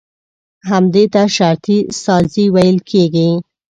همدې ته شرطي سازي ويل کېږي.